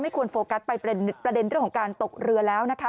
ควรโฟกัสไปประเด็นเรื่องของการตกเรือแล้วนะคะ